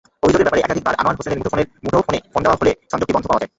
অভিযোগের ব্যাপারে একাধিকবার আনোয়ার হোসেনের মুঠোফোনে ফোন দেওয়া হলে সংযোগটি বন্ধ পাওয়া যায়।